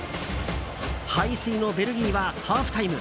背水のベルギーはハーフタイム。